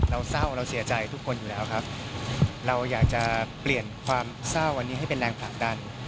เราเศร้าเราเสียใจทุกคนอยู่แล้วครับเราอยากจะเปลี่ยนความเศร้าอันนี้ให้เป็นแรงผลักดัน